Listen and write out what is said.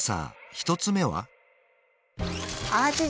１つ目は？